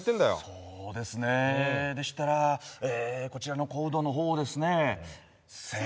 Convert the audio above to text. そうですねでしたらええこちらの小うどんのほうをですねせ